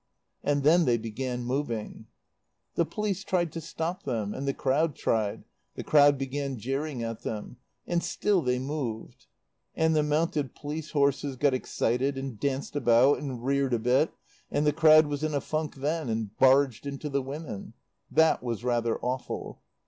"And then they began moving. "The police tried to stop them. And the crowd tried. The crowd began jeering at them. And still they moved. And the mounted police horses got excited, and danced about and reared a bit, and the crowd was in a funk then and barged into the women. That was rather awful.